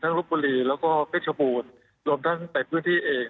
รบบุรีแล้วก็เพชรบูรณ์รวมทั้งในพื้นที่เอง